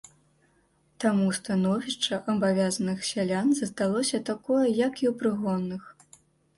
Таму становішча абавязаных сялян засталося такое, як і ў прыгонных.